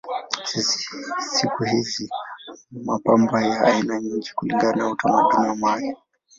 Siku hizi kuna mapambo ya aina nyingi kulingana na utamaduni wa mahali.